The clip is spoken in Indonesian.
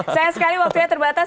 saya sekali waktunya terbatas